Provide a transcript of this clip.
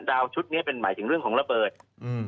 ชุดเนี้ยเป็นหมายถึงเรื่องของระเบิดอืม